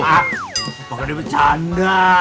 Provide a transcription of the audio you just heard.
pokoknya dia bercanda